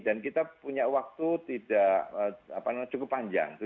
dan kita punya waktu tidak cukup panjang